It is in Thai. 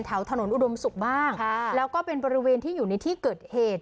แถวถนนอุดมศุกร์บ้างแล้วก็เป็นบริเวณที่อยู่ในที่เกิดเหตุ